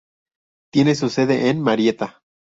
Tiene su sede en Marietta.